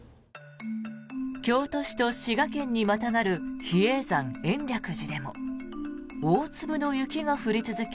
京都市と滋賀県にまたがる比叡山延暦寺でも大粒の雪が降り続け